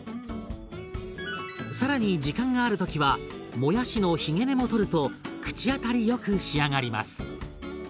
更に時間がある時はもやしのひげ根も取ると口当たりよく仕上がります。